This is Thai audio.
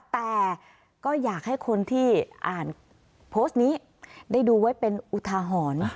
แต่ก็อยากให้คนที่อ่านโพสต์นี้ได้ดูไว้เป็นอุทาหรณ์